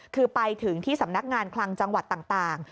คือไปถึงที่สำนักงานคลังจังหวัดต่าง